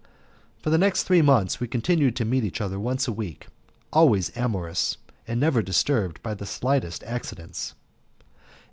For the next three months we continued to meet each other once a week, always amorous, and never disturbed by the slightest accidents.